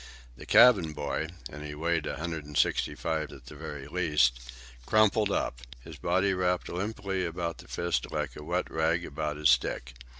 The cabin boy—and he weighed one hundred and sixty five at the very least—crumpled up. His body wrapped limply about the fist like a wet rag about a stick.